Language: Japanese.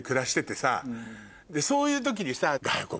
そういう時にさ。